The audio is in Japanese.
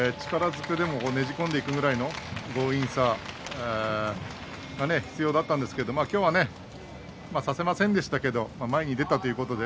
ずくでもねじ込んでいくぐらいの強引さが必要だったんですけど今日は差せませんでしたけど前に出たということで